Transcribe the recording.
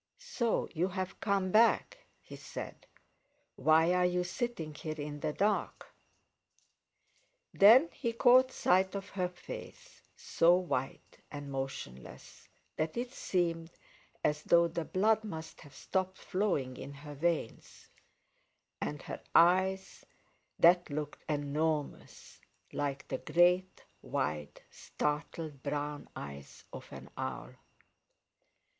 "So you've come back?" he said. "Why are you sitting here in the dark?" Then he caught sight of her face, so white and motionless that it seemed as though the blood must have stopped flowing in her veins; and her eyes, that looked enormous, like the great, wide, startled brown eyes of an owl.